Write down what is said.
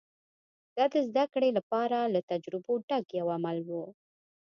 دا د زدهکړې لپاره له تجربو ډک یو عمل و